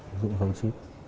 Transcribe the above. ứng dụng go chip